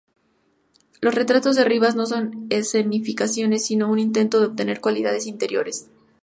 Los retratos de Rivas no son escenificaciones sino un intento de obtener cualidades interiores.